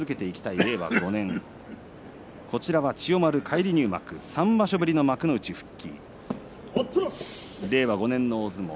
令和５年千代丸は３場所ぶりの幕内復帰。